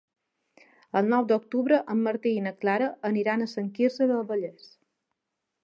El nou d'octubre en Martí i na Clara aniran a Sant Quirze del Vallès.